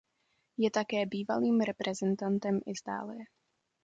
Je také bývalým reprezentantem Itálie.